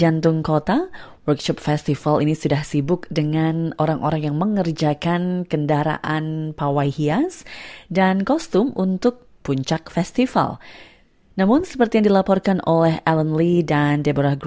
ada beberapa kendala menjelang perayaan tahun ini